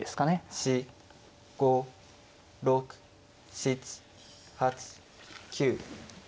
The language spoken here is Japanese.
４５６７８９。